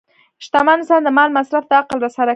شتمن انسان د مال مصرف د عقل سره کوي.